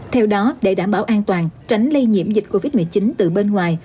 theo đó để đảm bảo an toàn tránh lây nhiễm dịch covid một mươi chín từ bên ngoài